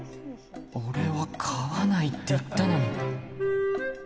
俺は飼わないって言ったのに